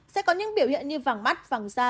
sẽ có những biểu hiện như vẳng mắt vẳng da